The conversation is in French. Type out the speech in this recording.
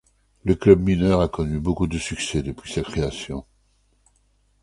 Le club mineur a connu beaucoup de succès depuis sa création.